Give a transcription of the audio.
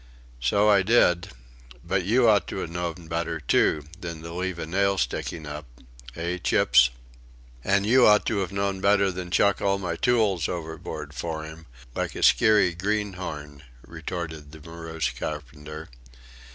So I did, but you ought to have known better, too, than to leave a nail sticking up hey, Chips?" "And you ought to have known better than to chuck all my tools overboard for 'im, like a skeary greenhorn," retorted the morose carpenter.